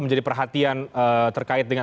menjadi perhatian terkait dengan